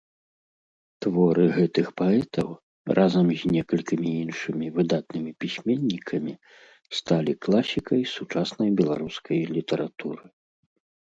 Творы гэтых паэтаў, разам з некалькімі іншымі выдатнымі пісьменнікамі, сталі класікай сучаснай беларускай літаратуры.